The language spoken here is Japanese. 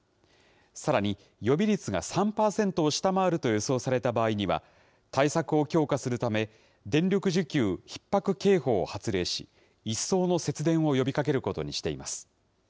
さらに、予備率が３％を下回ると予想された場合には、対策を強化するため、電力需給ひっ迫警報を発令し、一層の節電を呼びかけることにしています。